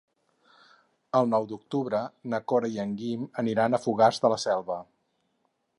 El nou d'octubre na Cora i en Guim aniran a Fogars de la Selva.